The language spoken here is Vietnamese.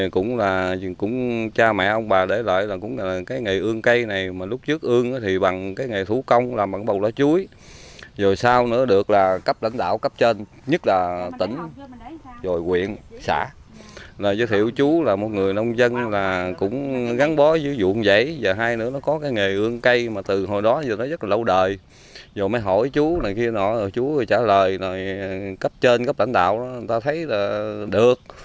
khi chú trả lời cấp trên cấp lãnh đạo người ta thấy là được